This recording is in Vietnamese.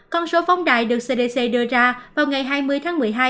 con số phóng đại được cdc đưa ra vào ngày hai mươi tháng một mươi hai